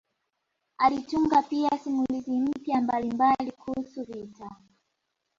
Alitunga pia simulizi mpya mbalimbali kuhusu vita